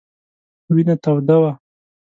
وینه توده وه.